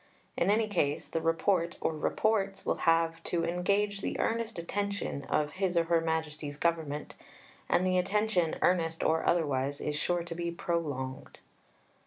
In any case the Report, or Reports, will have to "engage the earnest attention" of His or Her Majesty's Government, and the attention, earnest or otherwise, is sure to be prolonged.